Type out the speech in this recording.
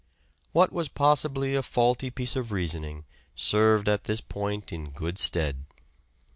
What was possibly a faulty piece of reasoning served at this point in good stead.